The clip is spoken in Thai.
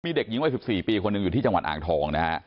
มีเด็กหญิงวัย๑๔ปีคนหนึ่งอยู่ที่จังหวัดอ่างทองนะฮะ